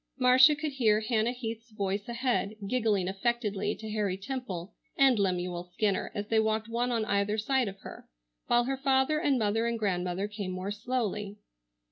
Marcia could hear Hannah Heath's voice ahead giggling affectedly to Harry Temple and Lemuel Skinner, as they walked one on either side of her, while her father and mother and grandmother came more slowly.